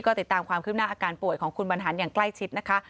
ก็ติดตามความคืบหน้าอาการป่วยของคุณบรรหารอย่างใกล้ชิดนะคะ